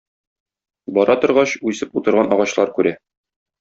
Бара торгач, үсеп утырган агачлар күрә.